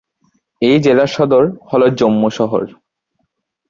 এই জেলার সদর হল জম্মু শহর।